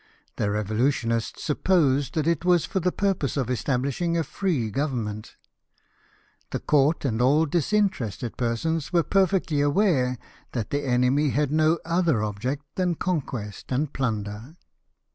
The revo lutionists supposed that it was for the purpose of estabhshing a free government ; the Court and all disinterested persons were perfectly aware that the enemy had no other object than conquest and plunder.